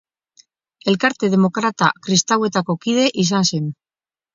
Elkarte demokrata-kristauetako kide izan zen.